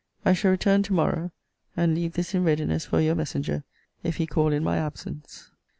I shall return to morrow; and leave this in readiness for your messenger, if he call in my absence.